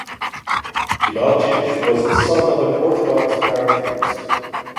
Kibalchich was the son of an Orthodox parish priest.